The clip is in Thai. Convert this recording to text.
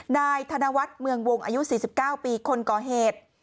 นายธนวัฒน์เมืองวงอายุ๔๙ปีคนก่อเหตุ